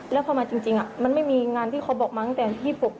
แล้วพอมาจริงมันไม่มีงานที่เขาบอกมาตั้งแต่๒๖